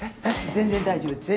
全然大丈夫。